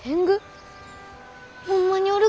ホンマにおるが？